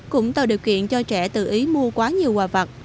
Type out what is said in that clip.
cũng tạo điều kiện cho trẻ tự ý mua quá nhiều quà vặt